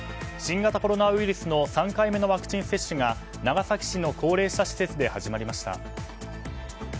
新型コロナウイルスの３回目のワクチン接種が長崎市の高齢者施設で始まりました。